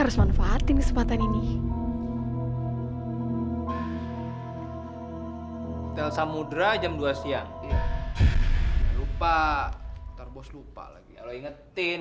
harus manfaatin kesempatan ini hotel samudera jam dua siang lupa terlupa lagi kalau ingetin